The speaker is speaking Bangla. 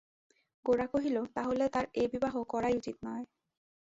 গোরা কহিল, তা হলে তার এ বিবাহ করাই উচিত নয়।